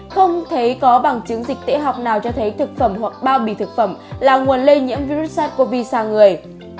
không thấy có bằng chứng dịch tễ học nào cho thấy thực phẩm hoặc bao bì thực phẩm là nguồn lây nhiễm virus sars cov hai sang người